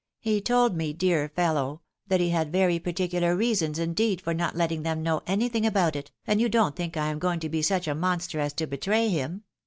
" He told me,, dear fellow 1 that he had very particular reasons indeed for not letting them know anything about it, and you don't think I ain going to be such a monster as to betray him